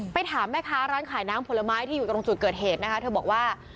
ถามแม่ค้าร้านขายน้ำผลไม้ที่อยู่ตรงจุดเกิดเหตุนะคะเธอบอกว่า